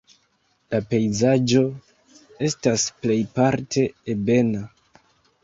La pejzaĝo estas plejparte ebena.